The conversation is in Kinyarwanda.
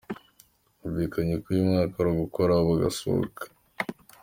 Twumvikanye ko uyu mwaka ari ugukora bagasohoka.